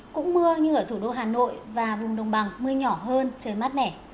cũng mưa như ở thủ đô hà nội và vùng đồng bằng mưa nhỏ hơn trời mát mẻ